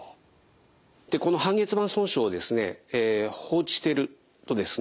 この半月板損傷を放置しているとですね